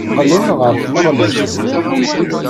Qqlen ɣer tneɣlust.